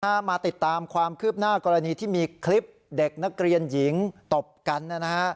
มาติดตามความคืบหน้ากรณีที่มีคลิปเด็กนักเรียนหญิงตบกันนะฮะ